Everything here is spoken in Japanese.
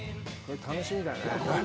楽しみだね。